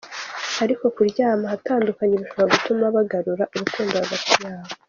Ariko kuryama ahatandukanye bishobora gutuma bagarura urukundo hagati yabo.